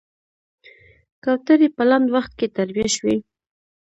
کوترې په لنډ وخت کې تربيه شوې.